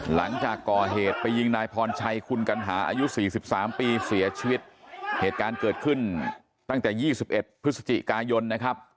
หลังจากก่อเหตุไปยิงนายพรชัยคุณกัณหาอายุ๔๓ปีเสียชีวิตเหตุการณ์เกิดขึ้นตั้งแต่๒๑พฤศจิกายนนะครับ